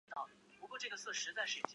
逸悦也困在地牢中而溺毙。